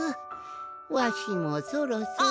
わしもそろそろ。